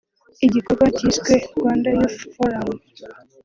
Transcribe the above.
igikorwa cyiswe Rwanda Youth Forum